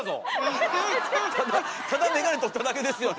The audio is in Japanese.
ただ眼鏡取っただけですよね。